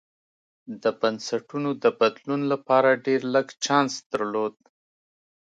د بنسټونو د بدلون لپاره ډېر لږ چانس درلود.